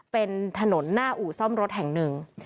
เป็นถนนหน้าอู่ซ่อมรถแห่งหนึ่ง